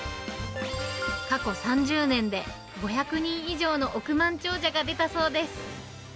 過去３０年で５００人以上の億万長者が出たそうです。